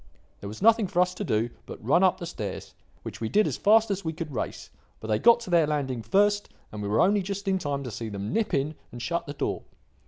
There was nothing for us to do but run up the stairs, which we did as fast as we could race; but they got to their landing first, and we were only just in time to see them nip in and shut the door.